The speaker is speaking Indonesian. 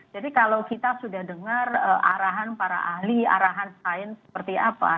jadi kalau kita sudah dengar arahan para ahli arahan sains seperti apa